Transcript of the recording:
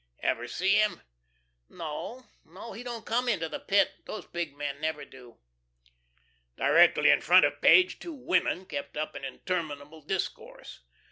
"Ever see him?" "No, no, he don't come into the Pit these big men never do." Directly in front of Page two women kept up an interminable discourse.